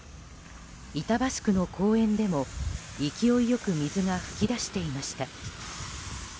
板橋区の公園でも、勢いよく水が噴き出していました。